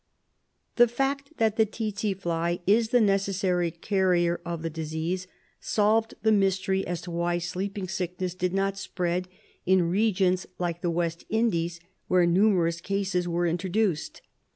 The fact that the tsetse fly is the necessary carrier of the disease solved the mystery as to why sleeping sickness did not spread in regions like the West Indies, where numerous cases were introduced.